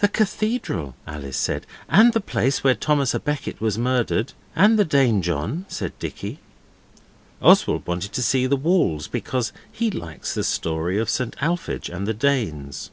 'The cathedral,' Alice said, 'and the place where Thomas A Becket was murdered.' 'And the Danejohn,' said Dicky. Oswald wanted to see the walls, because he likes the Story of St Alphege and the Danes.